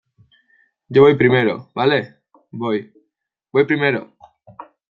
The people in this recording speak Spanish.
yo voy primero, ¿ vale? voy... voy primero .